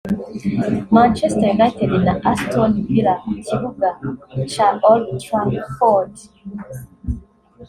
Manchester United na Aston Villa ku kibuga ca Old Traford